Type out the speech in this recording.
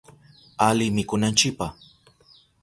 Ali mikunanchipa.